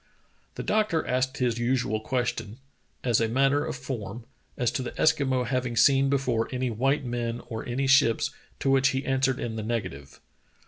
The doctor asked his usual question, as a matter of form, as to the Eskimo having seen before any white men or any ships, to which he answered in the negative.